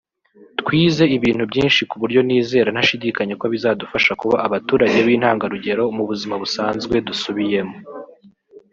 twize ibintu byinshi ku buryo nizera ntashidikanya ko bizadufasha kuba abaturage b’intangarugero mu buzima busanzwe dusubiyemo”